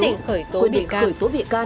quyết định khởi tố bị can